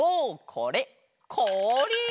これこおり！